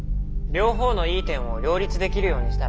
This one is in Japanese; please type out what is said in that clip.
「両方のいい点を両立できるようにしたら？」。